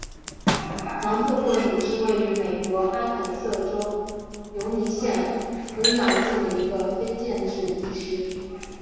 芒特霍利是位于美国阿肯色州犹尼昂县的一个非建制地区。